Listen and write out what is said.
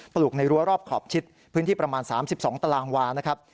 ลูกในรั้วรอบขอบชิดพื้นที่ประมาณ๓๒ตารางวานะครับ